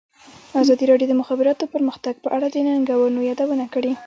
ازادي راډیو د د مخابراتو پرمختګ په اړه د ننګونو یادونه کړې.